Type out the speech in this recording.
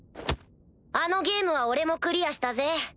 あのゲームは俺もクリアしたぜ。